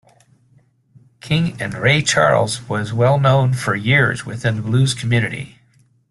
King and Ray Charles, was well known for years within the blues community.